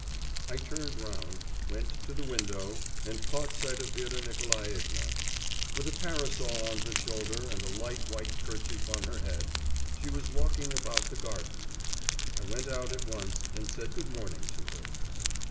I turned round, went to the window, and caught sight of Vera Nikolaevna. With a parasol on her shoulder and a light white kerchief on her head, she was walking about the garden. I went out at once and said good morning to her.